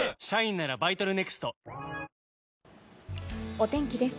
お天気です。